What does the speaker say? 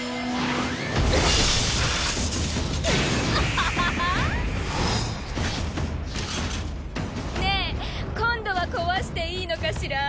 アハハハハ！ねぇ今度は壊していいのかしら？